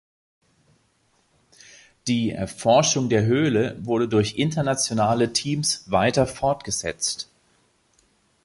Die Erforschung der Höhle wird durch internationale Teams weiter fortgesetzt.